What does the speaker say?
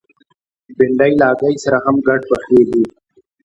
بېنډۍ له هګۍ سره هم ګډ پخېږي